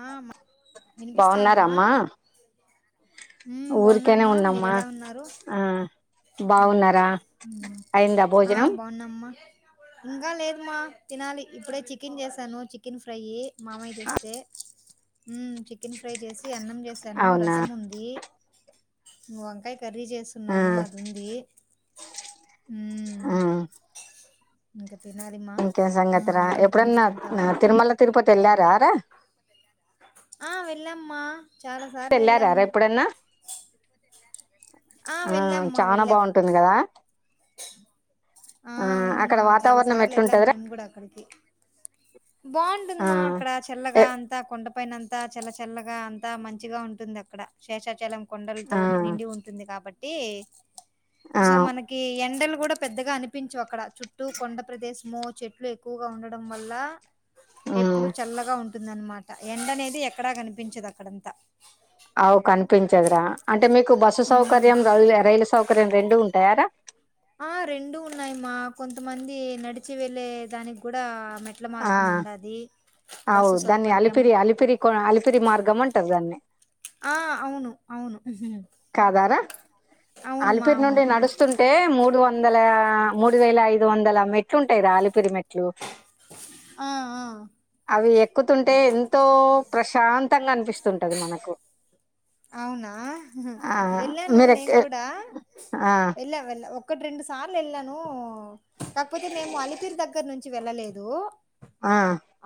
ఆ వినిపిస్తాందమ్మా. బాగున్నారమ్మా హ్ ఊరికేనే బావున్నామ్మా. మీరు ఉన్నమ్మా ఎలా ఉన్నారు? ఆ బాగున్నారా అయిందా ఆ భోజనం బావున్నామ్మా. ఇంకా లేదమ్మా తినాలి. ఇప్పుడే చికెన్ చేసాను చికెన్ ఫ్రైయి. మామయ్య తెస్తే. హ్మ్ చికెన్ ఫ్రై చేసి అన్నం చేసాను, అవునా రసం ఉంది. వంకాయ్ కర్రీ ఆ చేస్తున్నాను అది ఉంది. ఆ ఇంక ఇంకేం సంగతిరా ఎప్పుడన్నా తింటాము తిరుమల తిరుపతి వెళ్ళారారా. ఆ వెళ్ళాంమా. వెళ్ళారారా ఎప్పుడన్నా? ఆ వెళ్ళామ్మా చాన వెళ్ళాం బావుంటుంది కదా. ఆ అక్కడ అవునుమా చాలా వాతావరణం సార్లు ఎళ్ళాం ఎట్లుంటదిరా మేము కూడా అక్కడికి. ఆ బావుంటుందిమా అక్కడ ఎ చెల్లగా అంతా కొండ పైన అంతా చల్ల చల్లగా అంతా మంచిగా ఉంటుంది అక్కడ శేషాచలం ఆ కొండలతో నిండి ఉంటుంది కాబ టి ఆ సో మనకి ఎండలు కూడా పెద్దగా అనిపించవు అక్కడా. చుట్టూ కొండ ప్రదేశము చెట్లు ఎక్కువగా ఉండడం వల్లా ఉమ్ ఎప్పుడు చల్లగా ఉం ఉందనమాట ఎండ అనేది ఎక్కడా కనిపించదు అక్కడంతా అవు కనిపించదురా అంటే మీకు బస్సు హ్మ్. సౌకర్యం రై రైలు సౌకర్యం రెండు ఉంటాయార ఆ రెండూ ఉన్నాయి మా కొంతమంది నడిచి వెల్లే దానికి కూడా మెట్ల మార్గం ఉండది అవ్ దాన్ని అలిపిరి అలిపిరి కో అలిపిరి మార్గం ఉంటారు దాన్ని ఆ అవును అవును కదరా అవును మా అలిపిరి నుండి అవును నడుస్తున్ అంటే మూడు వందల మూడు వేల ఐదు వందల మెట్లు ఉంటాయి రా ఆలిపిరి మెట్లు ఆ ఆ అవి ఎక్కుతుంటే ఎంతో ప్రశాంత మత్తంగా అనిపిస్తుంటది మనకు అవునా ఆ వెళ్ళాను మీరు నేను ఎక్క- కూడా ఆ, వెళ్ళా వెళ్ళ ఒక్ ఒకటి రెండు సార్లు వెళ్ళాను కాకపోతే మేము అలిపిరి దగ్గర నుంచి వెళ్ళలేదు ఆ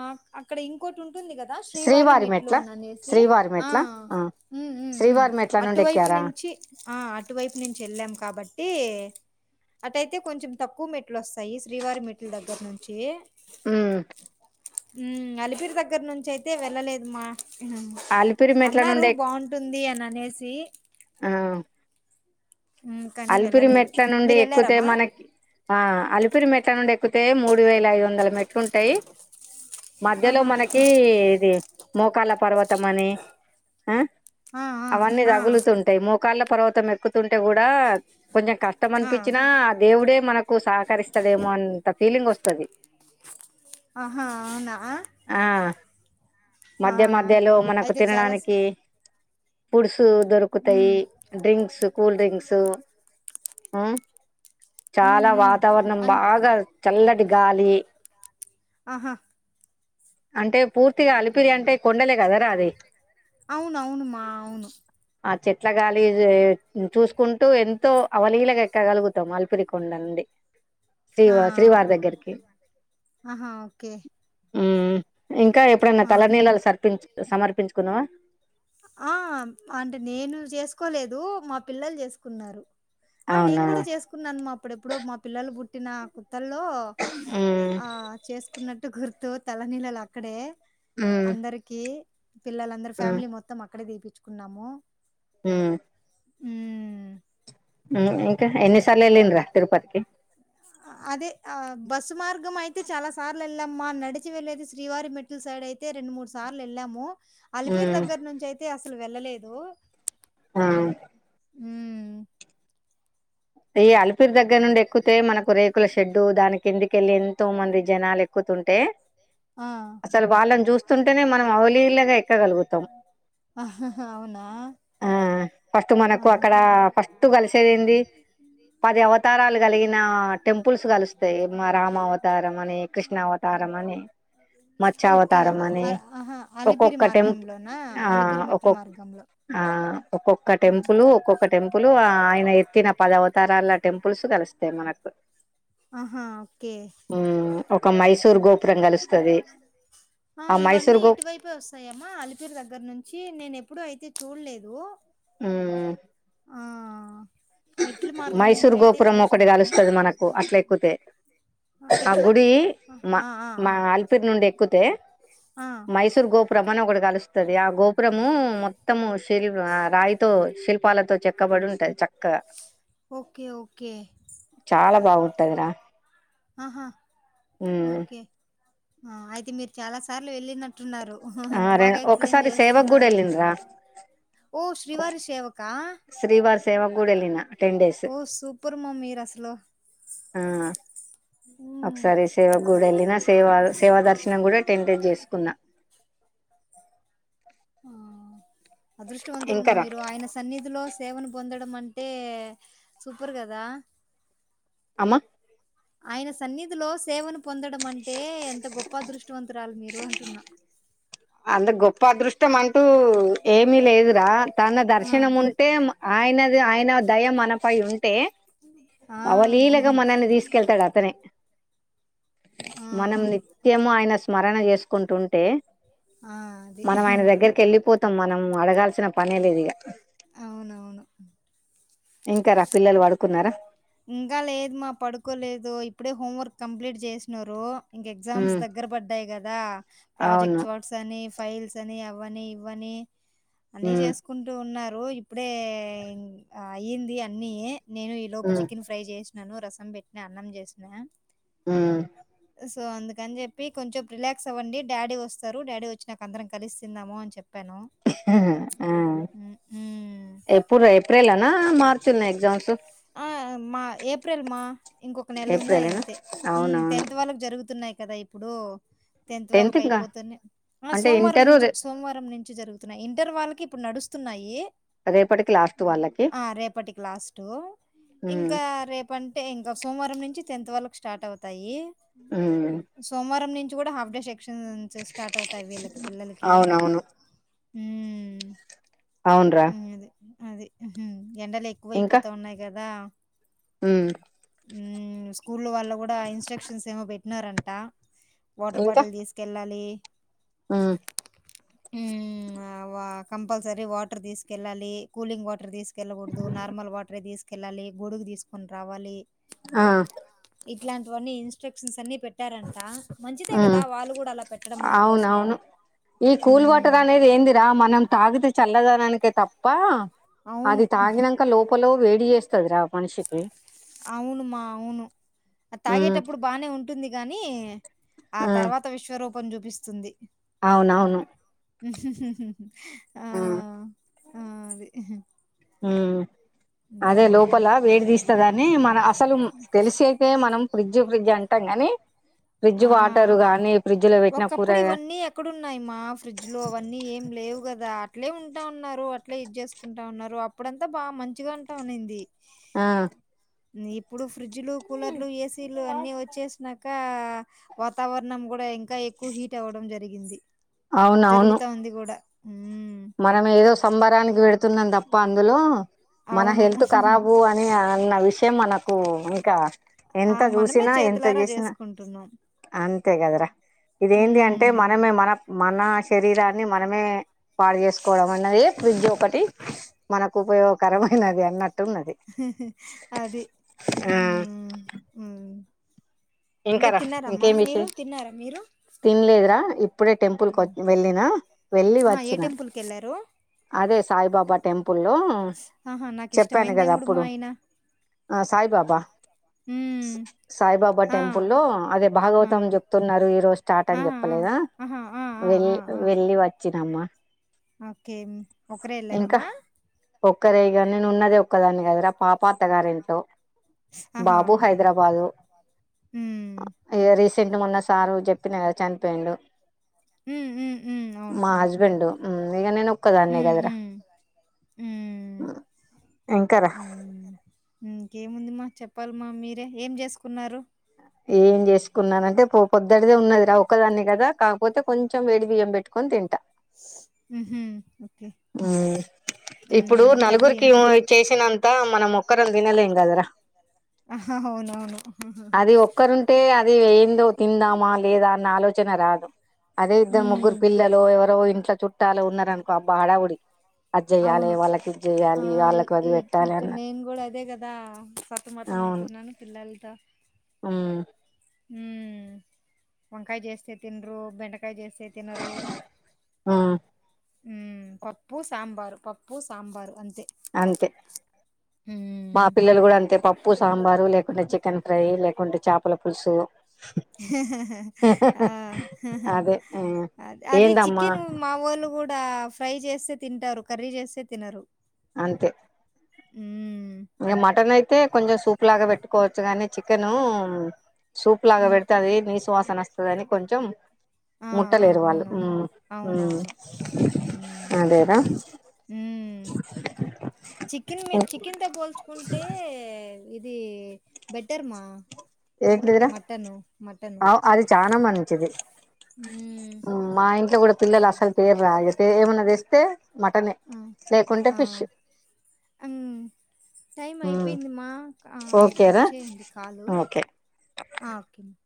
ఆ అక్కడ ఇంకోటి ఉం ఉంటుంది కదా శ్రీవారి మెట్లు అని అనేసి శ్రీవారి ఆ మెట్ల శ్రీవారి మెట్ల నుండి అటువైపు ఎక్కారా నుంచి ఆ అటువైపు నుంచి వెళ్ళాం కబట్ ఏ అటుయితే కొంచెం తక్కువ మెట్లు వస్తాయి శ్రీవారి మెట్ల దగ్గర నుంచి మ్మ్ మ్మ్ అలిపిరి దగ్గర నుంచి అయితే వెళ్ళలేదు మా అలిపిరి మెట్ల నుండి ఎక్కి ఉంటుంది అని అనేసి అలిపిరి మెట్ల నుండి ఎక్కుతే మీరెళ్లారామ్మా? మనకి ఆ అలిపిరి మెట్ల నుండి ఎక్ ఏక్కితే మూడు వేల ఐదు వందల మెట్లు ఉంటాయ్ మధ్యలో ఆహా! మనకీ ఇది మోకాళ్ళ పర్వత ఇత్తమని ఆ ఆ! అవన్నీ ఆ! ఆ! తగులుతుంటాయి మోకాళ్ళ పర్వతం ఎక్కుతుంటే గుడా కొంచెం కష్టం ఆ! అనిపించిన దేవు దేవుడే మనక్ హుక్కు సహకరిస్తాడేమో అన్న అంత ఫీలింగ్ వస్తది ఆహా! అవునా! ఆ ఆ! మధ్య మధ్యలో మనకు అయితే చాలా స తినడానికి పురుష దొరుకుతాయి హ్మ్. డ్రింక్స్ కూల్ డ్రింక్సు ఆ హ్మ్. చాలా హ్మ్. వాతావరణం అన్ బాగా చల్లటి గాలి ఆ హా అంటే పూర్తిగా అలిపిరి అంటే కొండలే గదరా అది అవునవును మా అవును చేట్లా గాలి చూసుకుంటూ ఎంతో అవలీలగా ఎక్కగలుగుతాం అలిపిరి కొండ అండి ఆ ఆహా ఓకే మ్మ్ ఇంకా ఎప్పుడైనా ఆ! తలనీలాలూ సర్పించు సమర్పించుకున్నవా ఆ అంటే నేను చేసుకోలేదు మా పిల్లలు చేసుకున్నారు ఆ నేను అవునా కూడా చేసుకున్నాను మా అప్పుడెప్పుడో మా పిల్లలు పుట్టిన కోత్తల్లో మ్మ్ ఆ చేసుకున ట్టు గుర్తు తలనీలాలు అక్కడే మ్మ్ అందరికీ పిల్లలందరూ మ్మ్ ఫ్యామిలీ మొ అక్కడే దిపించుకున్నాము మ్ మ్ ఇంక ఎన్ని సార్లు ఏలిన్రా తిరుపతికి అదే ఆ బస్సు మార్గం అయితే చాలా సార్లు యెళ్ళామ్ మా, నడిచి వెళ్ళేది శ్రీవారి మెట్లు సైడ్ అయితే రెండు మూడు సార్లు యెళ్ళాము. అలిపిరి మ్మ్ దగ్గర నుంచి అయితే అస్ అసలు వెళ్ళలేదు ఆ మ్ ఈ అలిపిరి దగ్గర నుండి ఎక్కుతే మనకు రేకుల షెడ్డు దానికి కిందికెళ్ళి ఎంతో మంది జనాలు ఎక్కుతుంటే ఆ అసలు వాళ్ళని చూస్తుంటేనే మనం అవలీలగా ఎక్ ఎక్కగలుగుతాం అవునా ఆ ఫస్ట్ మనకు అక్కడ ఫస్ట్ కలిసేది ఏంది పది అవతారాలు కలిగిన టెంపుల్స్ కలుస్తాయి. మా రామా అవతారం అని, కృష్ణ అవతారం అని, మత్స్య ఓకే అవతారం అ- అని, అ- ఆహా అలిపిరి ఒక్కొక్క టెంపుల్ మార్గంలోనా ఆ అలిపిరి మెట్ల ఒక్కొ మార్గంలో ఆ ఒక్కొక్క ఒక ఆహా టెంపుల్ ఒక్కొక్క టెంపుల్ ఆ ఆయన ఎత్తిన పదవ తరాల టెంపుల్స్ కలుస్తాయి మనకు ఆహా ఓకే మ్మ్ ఒక మైసూర్ గోపురం కలుస్తది ఆ ఇవన్నీ మైసూర్ గో ఇటువైపే వస్తాయమ్మ అలిపిరి దగ్గర నుంచి నేను ఎప్పుడు అయితే చూలేదు మ్మ్ ఆ ఆ మైసూర్ గోపురం ఒకటి చూసినాను కలుస్తది మనకు అట్ల ఎక్కుతే ఆ గుడి మా ఆ ఆ ఆ మా ఆ అలిపిరి నుండి ఎక్కితే ఆ, మైసూర్ గోపురం మనం ఒకటి కలుస్తుంది. ఆ గోపురము మొత్తము శిల్ రాయితో శిల్పాలతో చెక్కబడి ఉంటది చక్ క్క ఓకే ఓకే చాలా బాగుంటది ర ఆహా ఓకే ఆ అయితే మీరు చాలా సార్లు వెళ్ళినట్ న్నారు ఆ ఇంత రె బాగా ఎక్స్ప్లెయిన్ ఒకసారి సేవకు కూడా చేస్తున్నారు. వెళ్ళిండ్రా ఓ శ్రీవారి సేవకా సేవ్ గూడ ఎల్లినా ఓ సూపర్ మమ్మీ, మీరు అసలు ఆ ఉమ్ ఒకసారి సేవా కూడా ఎల్లినా, సేవ సేవ దర్శనం కూడా టెన్ మినిట్స్ చేస్. ఉన్న ఆ అదృష్టవంతులమ్మా ఇంకారా మీరు ఆయన సన్నిధిలో సేవను పొందడం అంటే సూపర్ కదా అమ్మా అయన సన్నిధి లో, సేవను పొందడము అంటే ఎంత గొప్ప అదృష్టవంతురాలు మీరు అంటున్నా. అంత గొప్ప అదృష్టం అంటూ ఏమీ లేదు రా, తన ఆ దర్శనం ఉంటే మ్ ఆయనది ఆయన దయ మన పై ఉంటే. ఆ అవలీలగా మనల్ని తీసుకెళ్తాడు అతనే. ఆ మనం నిత్యం ఆయన స్మ స్మరణ చేసుకుంటుంటే ఆ అది మనం ఆయన దగ్గరికేళ్లిపోతే మొత్తం మనం అడగాల్సిన పని లేదు ఇగ అవునవును ఇంకా రా పిల్లలు పడు కున్నారా ఇంకా లేదు మా పడుకోలేదు ఇప్పుడే హోంవర్క్ కంప్లీట్ చేసినరు ఇంకా ఎగ్జామ్స్ ఉమ్, దగ్గర పడ్డాయి కదా అవును ప్రాజెక్ట్ వర్క్స్ అని ఫైల్స్ అని అవని ఇవని అన్ని ఉమ్, చేసుకుంటూ ఉన్నారు పూజ ఇప్పుడే అయింది అన్ని నేను ఉమ్, చికెన్ ఫ్రై చేసి నను రసం పెట్టిన, అన్నం చేసిన హు సో అందుకని చెప్పి కొంచెం రిలాక్స్ అవ్వండి. డాడీ వస్తారు డాడీ వచ్చినాక అందరం కలిసి తిందాం అని చెప్పి హ్మ్. ఎప్పుడు రా ఏప్రిల్ నా మార్చి నా ఎగ్జామ్స్ ఆ మా ఏప్రిల్ మా ఇంకొక నెల ఉన్నాయి ఏప్రిల్నా అంతే హు అవునవును టెన్త్ వాళ్లకు జరుగుతున్నాయి. కదా ఇప్పుడూ టెన్త్ వాళ్లకు అయిపోతేనే ఆ అంటే సోమవారం ఇంటరు నుంచి రే సోమవారం నుంచి జరుగుత ఇంటర్ వాళ్లకి ఇప్పుడు నడుస్తున్నాయి రేపటి కి లాస్ట్ వాళ్ళకి ఆ రేపటికి లాస్ట్ ఉమ్ ఇంకా రేపంత అంటే ఇంక సోమవారం నుంచి టెన్త్ వాళ్ళకు స్టార్ట్ అవుతాయి. ఉమ్ సోమవారం నుంచి కూడా హాఫ్ డే షిప్ట్ [unintelligible] నుంచి స్టార్ట్ అవుతాయి వీళ్ళకి పిల్లలకీ అవునవును హు అవునరా హు అదే అది ఉహు ఎండలు ఇంకా ఎక్కువైపోతా ఉన్నాయి అదా ఉమ్ ఊ స్కూ లో వాళ్ళు కూడా ఇన్స్ట్రక్షన్స్ ఏమో పెట్ నారంట వాటర్ బాటిల్ తీసుకెళ్ళాలి హమ్ హ కంపల్సరీ వాటర్ తీస్కెళాలీ కూలింగ్ వాటర్ తీస్కెళ్ళ కూడదు నార్మల్ వాటరే తీస్క కెళ్ళాలి గొడుగు తీసుకొని రావాలి ఆ ఇట్లాంటివన్నీ ఇన్స్ట్రక్షన్స్ అన్ని పెట్ హ అలా పెట్టడం మన కోసము అవునవును ఈ కూల్ మ్మ్ వాటర్ అనేది ఏందిరా మనం తాగితే చల్లదనానికే తప్ ప్పా అవును వేడి చేస్తదిరా మనిషికి అవునుమా అవును అది ఉమ్ తాగేటప్పుడు బానే ఉంటుంది గానీ ఆ ఉమ్ తర్వాత విశ్వరూప్ పం చూపిస్తుంది అవునవును ఆ ఉమ్ ఆ అది హమ్ అదే హ్మ్. లోపల వేడి తీస్తదనీ మన అసలు తెలిసయితే మనం ఫ్రిడ్జ్ ఫ్రిడ్జ్ అం టం గానీ ఆ కూర ఒకప్పుడు ఇవన్నీ ఎక్కడున్నాయి మా ఫ్రిడ్జ్ లో అవన్నీ ఏం లేవు కదా అట్లే ఉంటా ఉన్నారు అట్లే ఇది చేసుకుంటా ఉన్నారు, అప్పుడంతా బాగా మంచిగా అంటా ఉనింది. ఆ నిప్పుడు ఫ్రిడ్జ్లు కూలర్లు ఏసీలు అన్నీ వచ్చేసి నాకా వాతావరణం కూడా ఇంకా ఎక్కువ హీట్ అవ్వడం జరిగింది అవునవును జరుగుతా ఉంది కూడా మనం ఏదో సంబరానికి పెడ్ తున్నాం తప్ప అందులో మన అవును. హెల్త్ కరాబు అని ఏ మనకు ఇంకా ఆ! ఎంత మనమే చూసినా ఎంత చేతులారా చేసినా జేసుకుంటున్నాం. అంత అంతే కదరా ఇదేంది అంటే ఉమ్ మనమే మన. మన శరీరాన్ని మనమే పాడు చేసుకోవడం అన్నది ఫ్రిడ్జ్ ఒకటి మనకు ఉపయోగకరమైనది అన్నట్టు అది. ఆ ఇంకా ఇంకార తిన్నారమ్మా ఇంకేం మీరు విషేష్ తిన్నారా మీరు తిన్లేదురా ఇ. అప్పుడే టెంపుల్కి వ ఉమ్. వెళ్ళిన వెళ్ళి ఆహా ఏ వచ్చినా టెంపుల్ కి వెళ్ళారు అదే సాయిబాబా టెంపుల్లో ఆహా నాకు చెప్పాను ఇష్టమైన కదా దేవుడు మా అప్పుడు ఆయన సాయిబాబా ఉమ్ సాయిబాబా ఆ టెంపుల్ లో అదే ఆ భాగవతం చెప్తున్నారు, ఈ రోజు స్టార్ట్ ఆ అని ఆ చెప్పలేదా ఆహా ఆ ఆ వెళ్ ఆ ఆ వెళ్ళి వచ్చినమ్మ. ఓకే ఒకరే ఇంకా ఎళ్ళారమ్మా ఒక్కరే గా నేనున్నది ఒక్కదాని గదరా పాప అత్తగారింట్లో ఆహా బాబు ఓకే హైదరాబాదు ఉమ్ ఇగ రీసెంట్ మొన్న సారు జెప్ చెప్పిన గద చనిపొయిండు హ్మ్. హ్మ్. హ్మ్. మా అవునవును. హస్బెండ్ ఉన్నేగా నేను ముక్కదాన్నే హ్మ్. గదరా హ్మ్. హ్మ్. ఎంకార ఇంకేముందిమ్మా చెప్పాలమ్మా మీరే ఏంజెసుకున్నారు ఏం చేసుకున్నానంటే పో పొద్దుటిదే ఉన్నది రా, ఒకదాన్ని కదా కాకపోతే కొంచెం వేడి బియ్యం పెట్టుకొని తింటా. హుహు. ఓకే. ఇప్పుడు హ్మ్. కర్రీ నలుగురికి చేసినంత మనం ఒక్కరం వినలేం గదర అవునవును కుక్కర్ ఉంటే అది వెయిన్ ఏదో తిందామా లేదా అన్న ఆలోచన రాదు అదే ఇద్దరు హ్మ్. ముగ్గురు పిల్లలు ఎవరో ఇంట్లో చుట్టాలు ఉన్నారనుకో అబ్బా హడావుడి అది చెయ్యాలి అవును, వాళ్ళకి ఇది ఆ చెయ్యాలి వాళ్ళకి అది పెట్టాలి ఇక్కడ అన్న నేను కూడా అదే కదా సతమతం అవును అవుతున్నాను పిల్లలతో మ్ మ్మ్ వంకాయ చేస్తే తినరు బెంటకా వంకాయ చేస్తే తినరు ఉమ్ మ్మ్ పప్పు సాంబారు పప్పు సాంబారు అం అంతే మా హ్మ్. పిల్లలు కూడా అంతే పప్పు సాంబారు లేకుండా చికెన్ ఫ్రై లేకుంటే చేపల పులుసు ఆ అదే ఆ అ అదే ఏందమ్మా చికెన్ మా వాళ్ళు కూడా ఫ్రై చేస్తే తింటారు కర్రీ చేస్తే తిన్నరు అంతే మ్మ్ ఇంకా మటన్ అయితే కొంచెం సూప్ లాగా పెట్టుకో చగానే చికెను సూప్ లాగా హ్మ్. పెడతది నీసు వాసన వస్ తదని కొంచెం ఆ! ఆ! ముట్టలేదు వాళ్ళు అవును. మ్మ్ హ్మ్ అవునవును. హ్మ్. అదేరా హ్మ్. ఓ, కుంటే ఇది బెటర్ మా ఏంటిదిరా మటను. మటను. అవు అది చానా మ మంచిది హ్మ్. మ్మ్ మా ఇంట్లో కూడా పిల్లలు అసలు తేరురా తే ఏమన్నా చేస్ తే మ్మ్ హా టైమ్ మ్మ్ అయిపోయింది మా ఆ కట్ ఓకేరా చేయండి కాలు ఓకే ఆ ఓకేండి